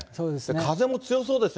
風も強そうですね。